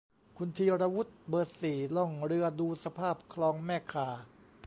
คุณธีรวุฒิ เบอร์ สี่ ล่องเรือดูสภาพคลองแม่ข่า